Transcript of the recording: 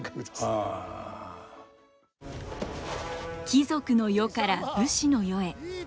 貴族の世から武士の世へ。